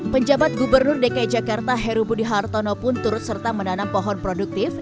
penjabat gubernur dki jakarta heru budi hartono pun turut serta menanam pohon produktif